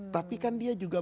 tapi kan dia juga